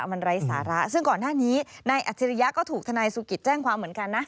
มันไร้สาระซึ่งก่อนหน้านี้นายอัจฉริยะก็ถูกทนายสุกิตแจ้งความเหมือนกันนะ